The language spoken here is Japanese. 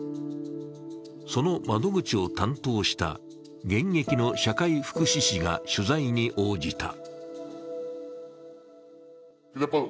その窓口を担当した現役の社会福祉士が取材に応じた。